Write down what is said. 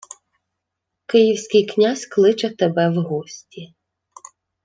— Київський князь кличе тебе в гості.